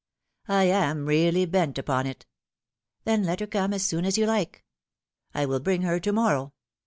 " I am really bent upon it." " Then let her come as soon as you like." " I will bring her to morrow."